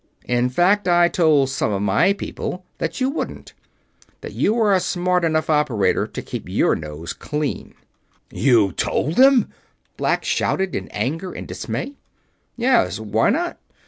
In fact, I told some of my people that you wouldn't; that you are a smart enough operator to keep your nose clean." "You told them!" Black shouted, in anger and dismay. "Yes? Why not?"